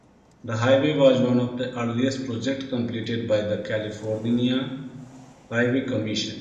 The highway was one of the earliest projects completed by the California Highway Commission.